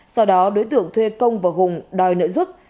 sau đó đối tượng thuê công và hùng đòi nợ giúp